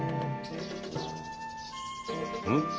うん？